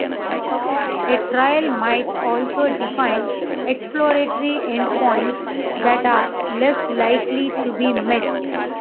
A trial might also define "exploratory endpoints" that are less likely to be met.